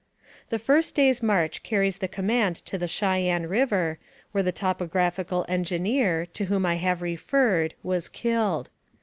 The first day's march carries the command to the Cheyenne River, where the topographical engineer, to whom I have referred, was killed.